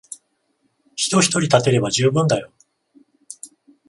人ひとり立てれば充分だよ。